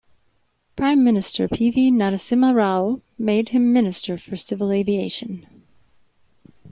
Prime Minister P. V. Narasimha Rao made him Minister for Civil Aviation.